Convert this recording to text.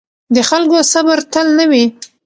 د خلکو صبر تل نه وي